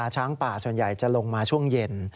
ช้างป่าส่วนใหญ่จะลงมาช่วงเย็น